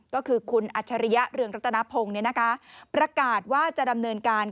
ก็คือคุณอัจฉริยะเรืองรัตนพงศ์ประกาศว่าจะดำเนินการ